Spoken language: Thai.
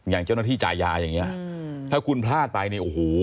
อย่างเจ้าหน้าที่จ่ายยาอย่างนี้ถ้าคุณพลาดไปเนี่ยโอ้โห